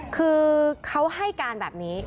คือเขาให้การแบบนี้